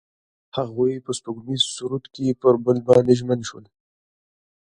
هغوی په سپوږمیز سرود کې پر بل باندې ژمن شول.